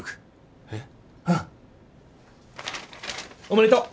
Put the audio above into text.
おめでとう。